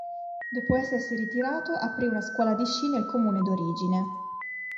Dopo essersi ritirato, aprì una scuola di sci nel comune d'origine.